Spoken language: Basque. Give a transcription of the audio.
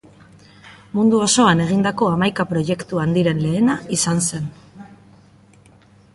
Mundu osoan egindako hamaika proiektu handiren lehena izan zen.